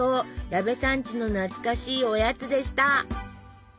矢部さんちの懐かしいおやつでした！